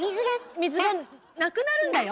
水がなくなるんだよ？